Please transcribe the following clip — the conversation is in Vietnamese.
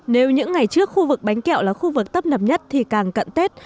nếu những ngày trước khu vực bánh kẹo là khu vực tấp nập nhất thì càng cận tết